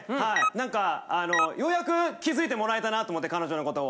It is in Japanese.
何かあのようやく気づいてもらえたなと思って彼女のことを。